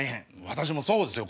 私もそうですよ